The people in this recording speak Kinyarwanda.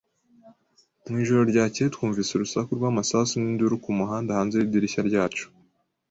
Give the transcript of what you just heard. Mu ijoro ryakeye, twumvise urusaku rw'amasasu n'induru ku muhanda hanze y'idirishya ryacu.